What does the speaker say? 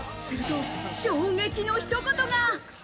すると衝撃の一言が。